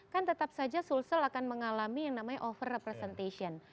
kan tetap saja sulsel akan mengalami yang namanya over representation